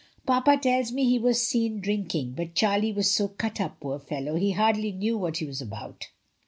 "Papa tells me he was seen drinking, but Charlie was so cut up, poor fellow, he hardly knew what he was about."